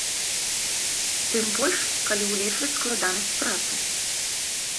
Тым больш, калі ўлічваць складанасць працы.